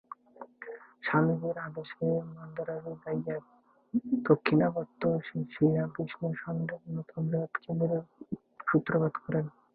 স্বামীজীর আদেশে মান্দ্রাজে যাইয়া দাক্ষিণাত্যে শ্রীরামকৃষ্ণ সঙ্ঘের অন্যতম বৃহৎ কেন্দ্রের সূত্রপাত করেন।